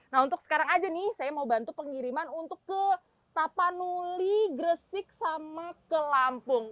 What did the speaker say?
nah untuk sekarang aja nih saya mau bantu pengiriman untuk ke tapanuli gresik sama ke lampung